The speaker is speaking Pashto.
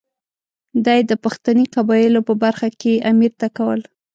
دا یې د پښتني قبایلو په برخه کې امیر ته کول.